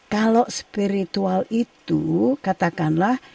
kalau spiritual itu katakanlah